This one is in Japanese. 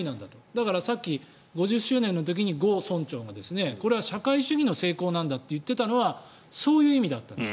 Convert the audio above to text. だから、さっき５０周年の時に、ゴ村長がこれは社会主義の成功なんだと言っていたのはそういう意味なんです。